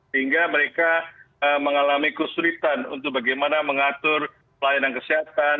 sehingga mereka mengalami kesulitan untuk bagaimana mengatur pelayanan kesehatan